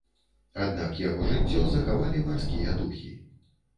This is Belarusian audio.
Аднак яго жыццё захавалі марскія духі.